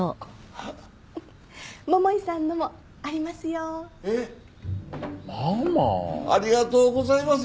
ありがとうございます！